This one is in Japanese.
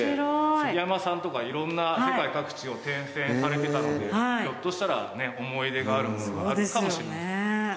杉山さんとかいろんな世界各地を転戦されてたのでひょっとしたら思い入れがあるものがあるかもしれません。